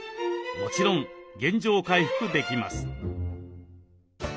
もちろん原状回復できます。